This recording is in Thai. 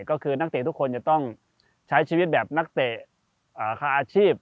ก็คือนักเตะทุกคนจะต้องใช้ชีวิตแบบนักเตะค่าอาชีพ